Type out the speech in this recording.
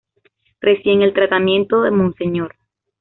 Reciben el tratamiento de Monseñor.